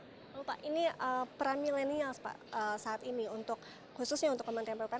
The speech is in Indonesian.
pak ini peran milenial saat ini untuk khususnya untuk kementerian ppr